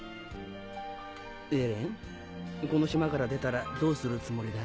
エレンこの島から出たらどうするつもりだ？